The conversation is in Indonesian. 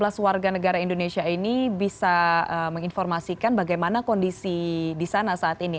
apakah dari enam belas warga negara indonesia ini bisa menginformasikan bagaimana kondisi di sana saat ini